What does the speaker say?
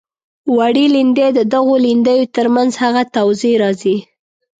وړې لیندۍ د دغو لیندیو تر منځ هغه توضیح راځي.